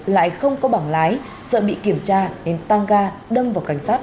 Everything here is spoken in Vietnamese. lại không có bảng lái sợ bị kiểm tra nên tăng ga đâm vào cảnh sát một trăm một mươi ba